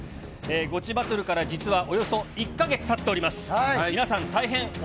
ゴチバトルから実はおよそ１か月たっております。